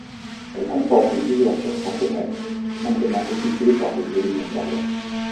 Elles comportent des ouvertures sans fenêtres, simplement occultées par des volets intérieurs.